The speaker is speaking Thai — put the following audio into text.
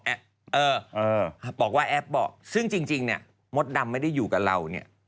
บอกว่าแอฟบอกซึ่งจริงเนี่ยมดดำไม่ได้อยู่กับเราเนี่ย